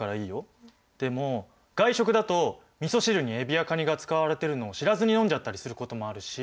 でも外食だとみそ汁にエビやカニが使われてるのを知らずに飲んじゃったりすることもあるし。